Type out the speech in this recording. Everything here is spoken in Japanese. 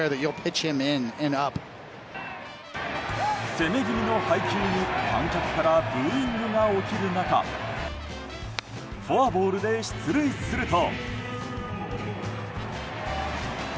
攻め気味の配球に観客からブーイングが起きる中フォアボールで出塁すると。